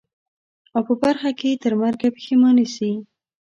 او په برخه یې ترمرګه پښېماني سي.